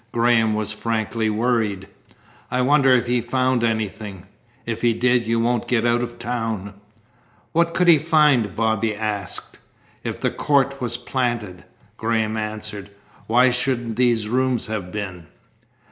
Graham was frankly worried. "I wonder if he found anything. If he did you won't get out of town." "What could he find?" Bobby asked. "If the court was planted," Graham answered, "why shouldn't these rooms have been?"